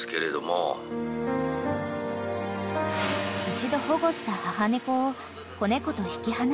［一度保護した母猫を子猫と引き離す］